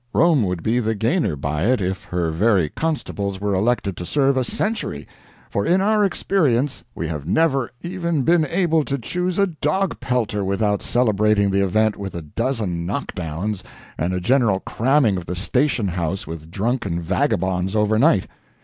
Rome would be the gainer by it if her very constables were elected to serve a century; for in our experience we have never even been able to choose a dog pelter without celebrating the event with a dozen knockdowns and a general cramming of the station house with drunken vagabonds overnight.